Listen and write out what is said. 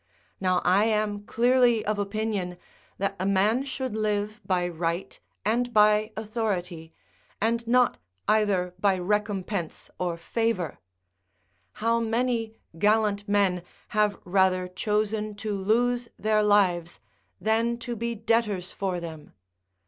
Now I am clearly of opinion that a man should live by right and by authority, and not either by recompense or favour. How many gallant men have rather chosen to lose their lives than to be debtors for them?